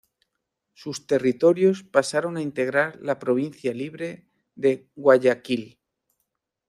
Sus territorios pasaron a integrar la Provincia Libre de Guayaquil.